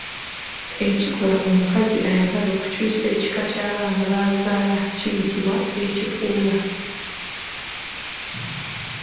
Ekikoola omukazi ayagala okukyusa ekika ky’abaana b’azaala kiyitibwa Ekifuula.